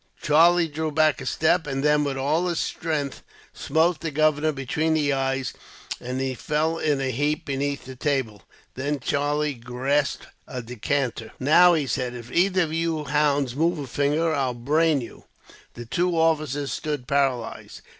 Charlie drew back a step; and then, with all his strength, smote the governor between the eyes, and he fell in a heap beneath the table. Then Charlie grasped a decanter. "Now," he said, "if either of you hounds move a finger, I'll brain you." The two officers stood paralysed.